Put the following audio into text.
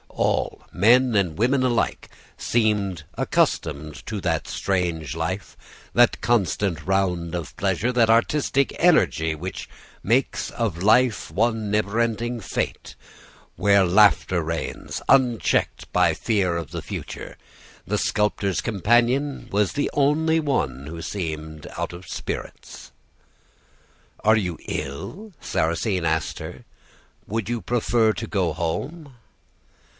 All, men and women alike, seemed accustomed to that strange life, that constant round of pleasures, that artistic energy, which makes of life one never ending fete, where laughter reigns, unchecked by fear of the future. The sculptor's companion was the only one who seemed out of spirits. "'Are you ill?' Sarrasine asked her. 'Would you prefer to go home?